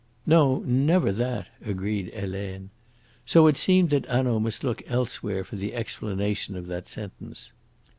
"No, never that," said Helene. So it seemed that Hanaud must look elsewhere for the explanation of that sentence.